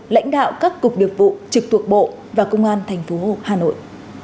lãnh đạo các cục việc vụ trực tuộc bộ và công an tp hà nội